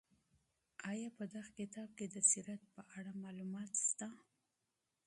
آیا په دغه کتاب کې د سیرت په اړه معلومات شته؟